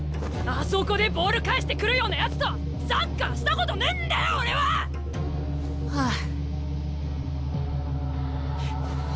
あそこでボール返してくるようなやつとサッカーしたことねえんだよ俺は！はあ。